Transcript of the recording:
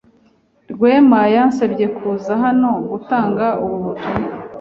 Rwema yansabye kuza hano gutanga ubu butumwa.